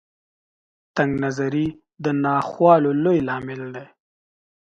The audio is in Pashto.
تنګ نظري د ناخوالو لوی لامل دی.